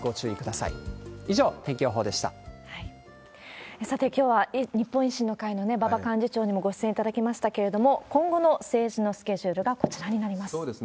さて、きょうは日本維新の会の馬場幹事長にもご出演いただきましたけれども、今後の政治のスケジュールがこちらになります。